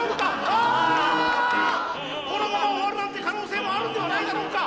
このまま終わるなんて可能性もあるんではないだろうか。